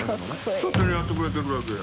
勝手にやってくれてるだけや。